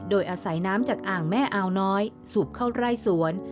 โดยอาศัยน้ำจากอ่างแม่อาวน้อยสูบเข้าไร่สวน